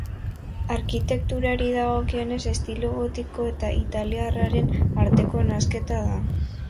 Arkitekturari dagokionez estilo gotiko eta italiarraren arteko nahasketa da.